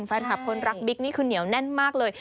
แฟนคลับคนรักบิ๊กนี่คือเหนียวแน่นมากเลย